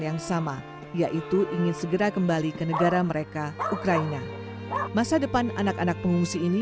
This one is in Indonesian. yang sama yaitu ingin segera kembali ke negara mereka ukraina masa depan anak anak pengungsi ini